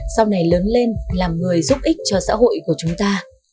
sau này lớn lên làm người giúp ích cho xã hội của chúng ta